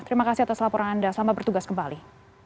terima kasih atas laporan anda selamat bertugas kembali